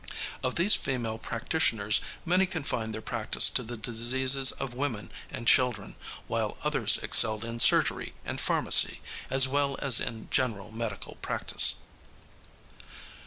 Of these female practitioners many confined their practice to the diseases of women and children, while others excelled in surgery and pharmacy, as well as in general medical practice.